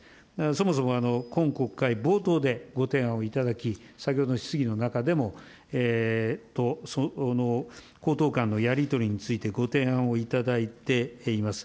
そもそも今国会冒頭でご提案を頂き、先ほどの質疑の中でも、公党間のやり取りについて、ご提案をいただいています。